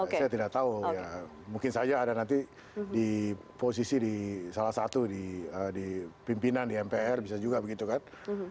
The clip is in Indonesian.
saya tidak tahu ya mungkin saja ada nanti di posisi di salah satu di pimpinan di mpr bisa juga begitu kan